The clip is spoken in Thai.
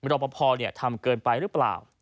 รอปภทำเกินไปหรือเปล่า